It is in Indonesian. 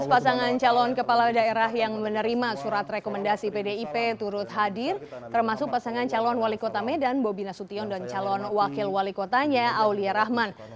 tujuh belas pasangan calon kepala daerah yang menerima surat rekomendasi pdip turut hadir termasuk pasangan calon wali kota medan bobi nasution dan calon wakil wali kotanya aulia rahman